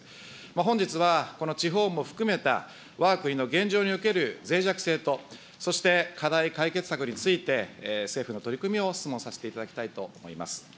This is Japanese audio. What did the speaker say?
本日はこの地方も含めたわが国の現状におけるぜい弱性と、そして課題解決策について、政府の取り組みを質問させていただきたいと思います。